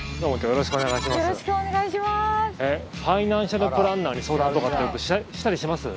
よろしくお願いします。